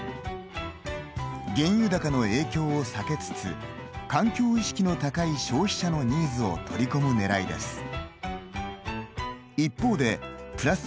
原油高の影響を避けつつ環境意識の高い消費者のニーズを取り込むねらいです。